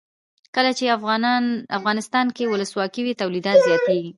کله چې افغانستان کې ولسواکي وي تولیدات زیاتیږي.